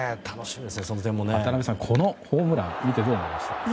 渡辺さん、このホームランを見てどう思いましたか。